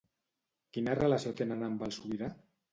Quina relació tenen amb el sobirà?